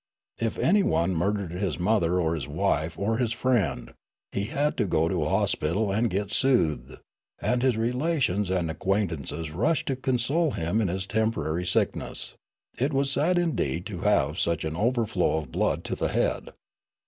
If anyone mur dered his mother or his wife or his friend, he had to go to a hospital and get soothed, and his relations and acquaintances rushed to console him in his temporary sickness ; it was sad indeed to have such an overflow^ of blood to the head.